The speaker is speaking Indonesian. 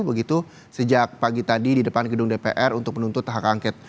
begitu sejak pagi tadi di depan gedung dpr untuk menuntut hak angket